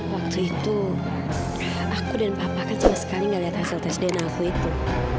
waktu itu aku dan papa kan sama sekali gak lihat hasil tes dna aku itu